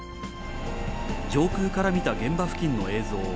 上空から見た現場付近の映像。